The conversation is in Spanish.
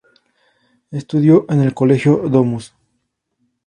Estudió en el colegio Domus.